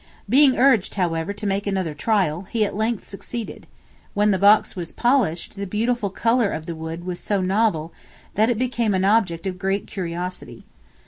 Being urged, however, to make another trial, he at length succeeded; when the box was polished, the beautiful color of the wood was so novel, that it became an object of great curiosity.